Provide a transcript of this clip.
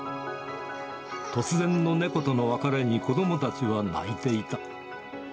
突然の猫との別れに子どもたちは泣いていた。